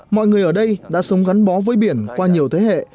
mọi người ở đây đã sống gắn bó với biển qua nhiều thế hệ